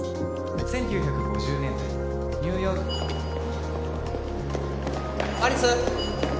１９５０年代ニューヨーク有栖！